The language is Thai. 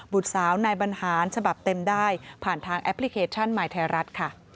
สาวนายบรรหารฉบับเต็มได้ผ่านทางแอปพลิเคชันใหม่ไทยรัฐค่ะ